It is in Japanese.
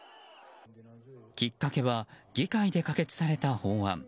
きっかけは議会で可決された法案。